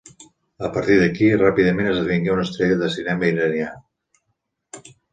A partir d'aquí, ràpidament esdevingué una estrella del cinema iranià.